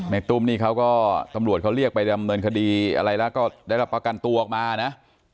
ตุ้มนี่เขาก็ตำรวจเขาเรียกไปดำเนินคดีอะไรแล้วก็ได้รับประกันตัวออกมานะ